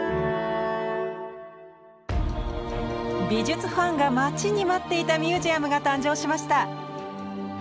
美術ファンが待ちに待っていたミュージアムが誕生しました。